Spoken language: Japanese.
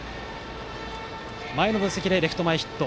前の打席でレフト前ヒット。